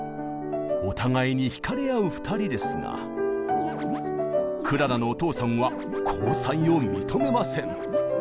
お互いに引かれ合う２人ですがクララのお父さんは交際を認めません。